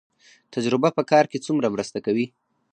تجربه په کار کې څومره مرسته کوي؟